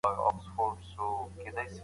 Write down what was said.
موږ اوس د حق په لاره کي مبارزه کوو.